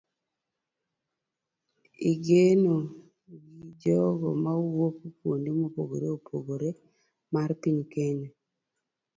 Igeno gi jogo mawuok kuonde mopogore opogore mar piny Kenya